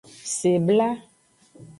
Sebla.